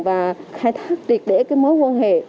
và khai thác triệt để cái mối quan hệ